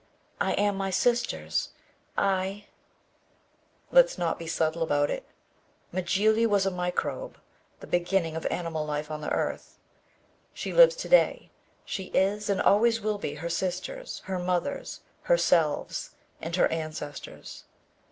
I am my sisters, I ..." Let's not be subtle about it. Mjly was a microbe, the beginning of animal life on the earth. She lives today, she is and always will be her sisters, her mothers, herselves and her ancestors.